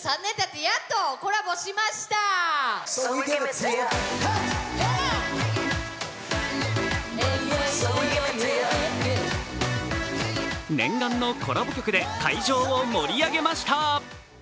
実はこの２人念願のコラボ曲で会場を盛り上げました。